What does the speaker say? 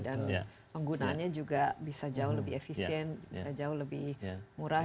dan penggunaannya juga bisa jauh lebih efisien bisa jauh lebih murah